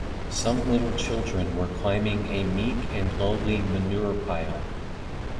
Some little children were climbing a meek and lowly manure-pile.